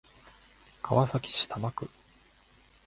川崎市多摩区